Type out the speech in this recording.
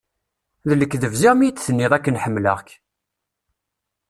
D lekdeb ziɣ mi yi-d-tenniḍ akken ḥemmleɣ-k?